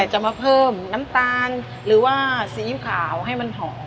จะมาเพิ่มน้ำตาลหรือว่าซีอิ๊วขาวให้มันหอม